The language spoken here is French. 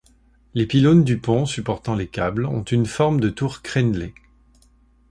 Les pylônes du pont supportant les câbles ont une forme de tours crénelées.